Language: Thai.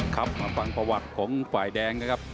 ครับมาฟังประวัติของฝ่ายแดงนะครับ